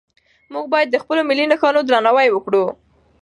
موږ باید د خپلو ملي نښانو درناوی وکړو.